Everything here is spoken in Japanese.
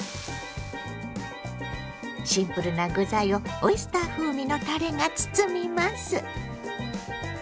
シンプルな具材をオイスター風味のたれが包みます。